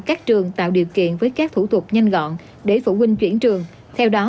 các trường tạo điều kiện với các thủ tục nhanh gọn để phụ huynh chuyển trường theo đó